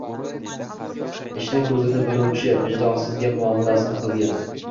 «ishni ko‘zini biluvchi» vijdonsizga «muomalasi»ni qilgan.